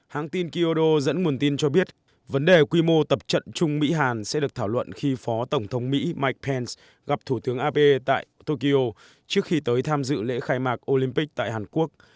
hãng tin kyodo dẫn nguồn tin cho biết vấn đề quy mô tập trận chung mỹ hàn sẽ được thảo luận khi phó tổng thống mỹ mike pence gặp thủ tướng abe tại tokyo trước khi tới tham dự lễ khai mạc olympic tại hàn quốc